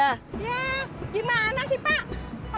ya gimana sih pak